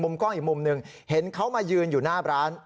กล้องอีกมุมหนึ่งเห็นเขามายืนอยู่หน้าร้าน